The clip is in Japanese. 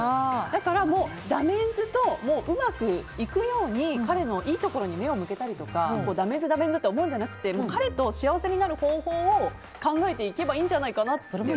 だから、ダメンズとうまくいくように彼のいいところに目を向けたりとかダメンズ、ダメンズって思うんじゃなくて彼と幸せになる方法を考えていけばいいんじゃないかと。